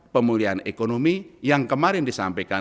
pemulihan ekonomi yang kemarin disampaikan